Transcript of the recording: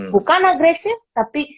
bukan agresif tapi